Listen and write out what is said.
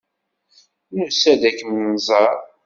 Nusa-d ad kem-nẓer.